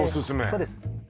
そうです